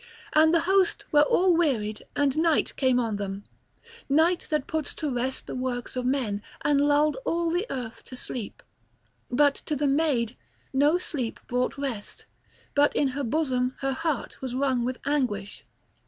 And the host were all wearied and Night came on them, Night that puts to rest the works of men, and lulled all the earth to sleep; but to the maid no sleep brought rest, but in her bosom her heart was wrung with anguish.